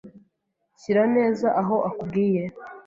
Shyira neza aho akubwiye.